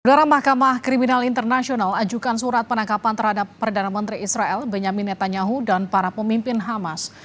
gerarah mahkamah kriminal internasional ajukan surat penangkapan terhadap perdana menteri israel benyamin netanyahu dan para pemimpin hamas